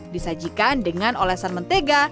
disajikan dengan olesan mentega